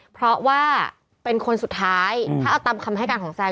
เพราะว่าเป็นคนสุดท้ายถ้าเอาตามคำให้การของแซน